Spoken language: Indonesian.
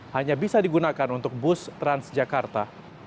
hanya bisa digunakan untuk bus transjakarta